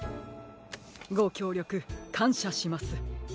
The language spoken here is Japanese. ごきょうりょくかんしゃします。